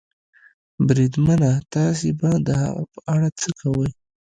بریدمنه، تاسې به د هغه په اړه څه کوئ؟